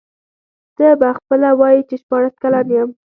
ته به خپله وایې چي شپاړس کلن یم.